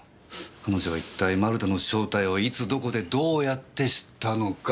彼女は一体丸田の正体をいつどこでどうやって知ったのか。